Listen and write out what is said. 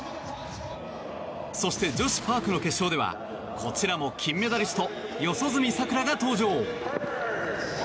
そして、女子パークの決勝ではこちらも金メダリスト四十住さくらが登場。